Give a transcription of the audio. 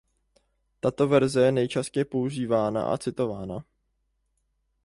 Tato verze je nejčastěji používána a citována.